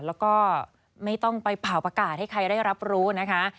แล้วก็ไม่ต้องไปเผาประกาศให้ใครได้รับรู้นะคะ